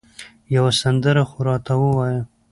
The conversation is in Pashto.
یوه سندره خو راته ووایه